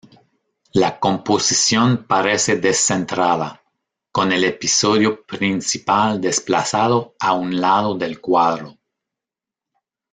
La composición parece descentrada, con el episodio principal desplazado a un lado del cuadro.